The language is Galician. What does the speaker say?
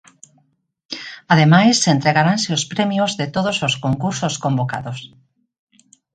Ademais, entregaranse os premios de todos os concursos convocados.